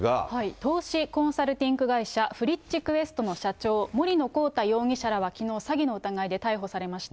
投資コンサルティング会社、フリッチクエストの社長、森野広太容疑者らはきのう、詐欺の疑いで逮捕されました。